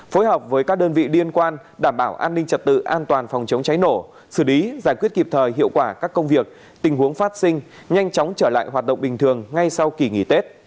phối hợp với các đơn vị liên quan đảm bảo an ninh trật tự an toàn phòng chống cháy nổ xử lý giải quyết kịp thời hiệu quả các công việc tình huống phát sinh nhanh chóng trở lại hoạt động bình thường ngay sau kỳ nghỉ tết